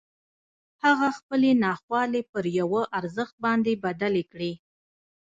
هغه خپلې ناخوالې پر یوه ارزښت باندې بدلې کړې